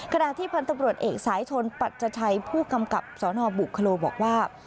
ขณะที่พันธุ์ตำรวจเอกสายชนปัชชัยผู้กำกับสนบุคโลบอกว่า